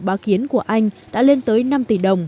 báo kiến của anh đã lên tới năm tỷ đồng